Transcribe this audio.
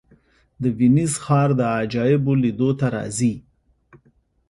د وینز ښار د عجایبو لیدو ته راځي.